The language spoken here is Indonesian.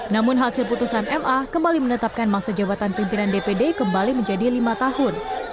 namun hasil putusan ma kembali menetapkan masa jabatan pimpinan dpd kembali menjadi lima tahun